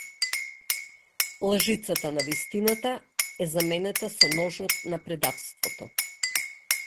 Лажицата на вистината е заменета со ножот на предавството!